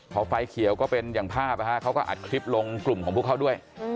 พอไฟเขียวก็เป็นอย่างภาพเขาก็อัดคลิปลงกลุ่มของพวกเขาด้วย